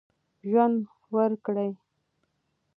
ژوند ورکړئ.